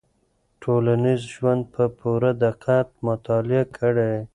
ټولنیز ژوند په پوره دقت مطالعه کړئ.